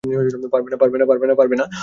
পারবে না।